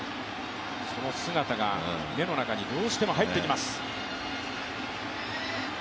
その姿が目の中にどうしても入ってきます。